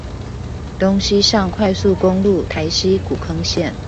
東西向快速公路台西古坑線